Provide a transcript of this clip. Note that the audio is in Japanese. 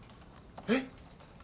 えっ？